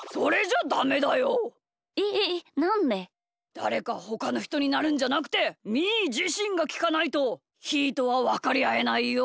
だれかほかのひとになるんじゃなくてみーじしんがきかないとひーとはわかりあえないよ。